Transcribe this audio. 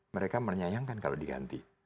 mereka menyayangkan kalau diganti